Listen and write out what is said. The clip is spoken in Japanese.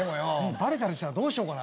バレたりしたらどうしようかな。